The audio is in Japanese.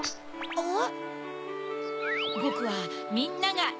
・あっ！